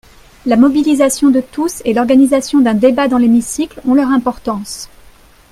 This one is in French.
La mobilisation de tous et l’organisation d’un débat dans l’hémicycle ont leur importance.